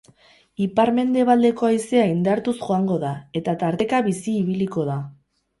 Ipar-mendebaldeko haizea indartuz joango da, eta tarteka bizi ibiliko da.